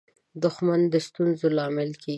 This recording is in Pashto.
• دښمني د ستونزو لامل کېږي.